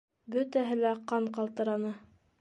Бөтәһе лә ҡан ҡалтыраны.